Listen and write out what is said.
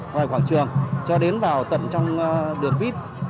ngoài quảng trường cho đến vào tận trong đợt vít